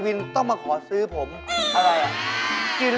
นี่ยังไม่ฟังกูอย่างนี้